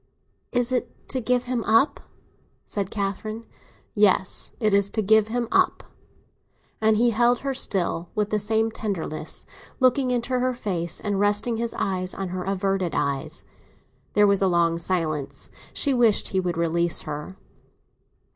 "Is it to give him up?" said Catherine. "Yes, it is to give him up." And he held her still, with the same tenderness, looking into her face and resting his eyes on her averted eyes. There was a long silence; she wished he would release her.